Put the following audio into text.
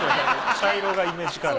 茶色がイメージカラー。